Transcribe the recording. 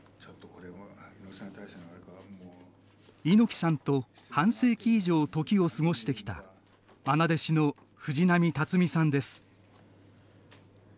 猪木さんと半世紀以上時を過ごしてきたまな弟子の藤波辰爾さんです。